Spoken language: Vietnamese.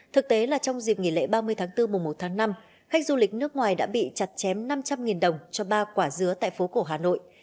thực tế là trong dịp nghỉ lễ ba mươi tháng bốn mùa một tháng năm khách du lịch nước ngoài đã bị chặt chém năm trăm linh đồng cho ba quả dứa tại phố cổ hà nội